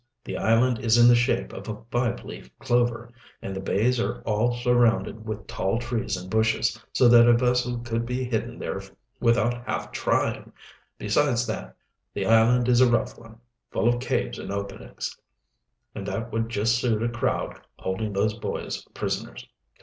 The island is in the shape of a five leaf clover, and the bays are all surrounded with tall trees and bushes, so that a vessel could be hidden there without half trying. Besides that, the island is a rough one, full of caves and openings, and that would just suit a crowd holding those boys prisoners."